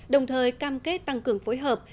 đồng thời cam kết tăng cường phối hợp